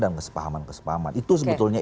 dan kesepahaman kesepahaman itu sebetulnya